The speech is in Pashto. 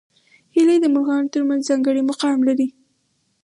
هیلۍ د مرغانو تر منځ ځانګړی مقام لري